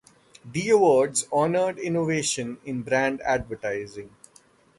The awards honored innovation in brand advertising.